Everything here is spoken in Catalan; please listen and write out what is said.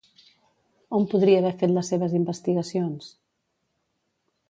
On podria haver fet les seves investigacions?